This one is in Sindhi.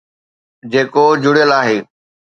جيڪو جڙيل آهي.